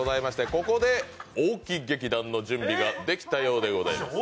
ここで大木劇団の準備ができたようでございます。